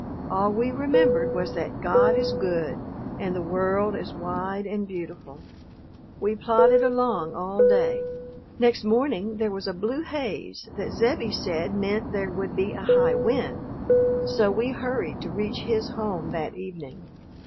All we remembered was that God is good and the world is wide and beautiful. We plodded along all day. Next morning there was a blue haze that Zebbie said meant there would be a high wind, so we hurried to reach his home that evening.